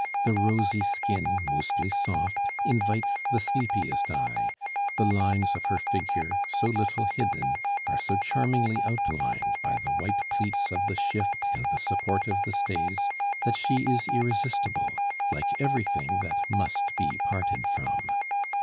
The rosy skin, mostly soft, invites the sleepiest eye. The lines of her figure, so little hidden, are so charmingly outlined by the white pleats of the shift and the support of the stays, that she is irresistible like everything that must be parted from.